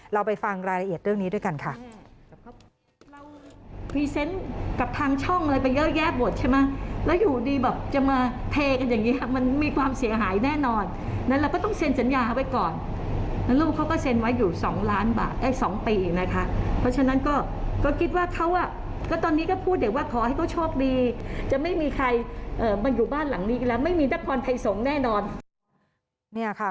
เราไปฟังรายละเอียดเรื่องนี้ด้วยกันค่ะ